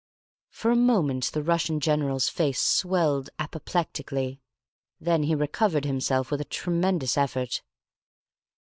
For a moment the Russian General's face swelled apoplectically. Then he recovered himself with a tremendous effort.